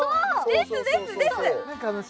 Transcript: ですですです！